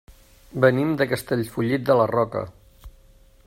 Venim de Castellfollit de la Roca.